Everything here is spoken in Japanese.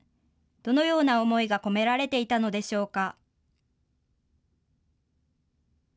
どのような思いが込められていたのでしょうか。